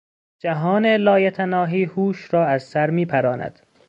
جهان لایتناهی هوش را از سر میپراند.